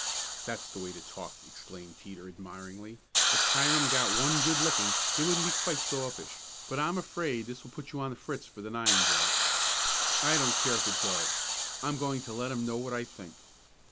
"That's the way to talk!" exclaimed Teeter admiringly. "If Hiram got one good licking he wouldn't be quite so uppish. But I'm afraid this will put you on the fritz for the nine, Joe." "I don't care if it does. I'm going to let 'em know what I think."